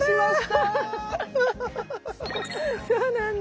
あらそうなんだ。